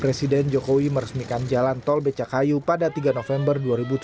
presiden jokowi meresmikan jalan tol becakayu pada tiga november dua ribu tujuh belas